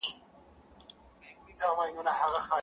لکه ستړی چي باغوان سي پر باغ ټک وهي لاسونه.!